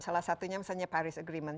salah satunya misalnya paris agreement